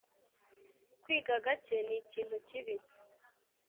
kwiga gake nikintu kibi